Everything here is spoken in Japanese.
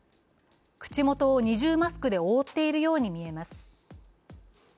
口元を二重マスクで覆っているように見えます。